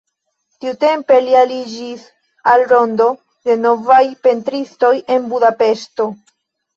Tiutempe li aliĝis al rondo de novaj pentristoj en Budapeŝto.